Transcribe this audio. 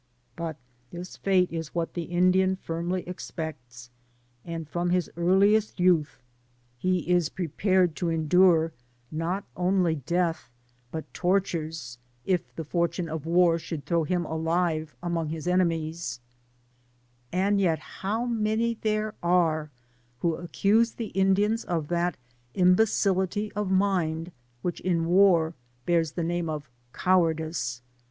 But this fate is what the Indian firmly expects, and from his earliest youth he is prepared to endure, not ottly death, but tortures, if the fortune of war should throw him alive among his enettiies; and yet how inany thet« are who accuse the Indians of that ittibecility of mind which in war bears the name of cowardice